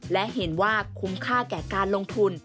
และเห็นว่าคุ้มค่าแก่การลงทุน